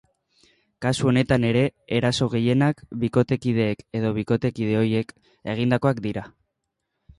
Kasu honetan ere, eraso gehienak bikotekideek edo bikotekide ohiek egindakoak dira.